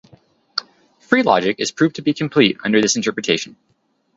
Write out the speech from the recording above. Free logic is proved to be complete under this interpretation.